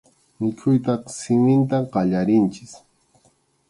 Mikhuytaqa siminta qallarinchik.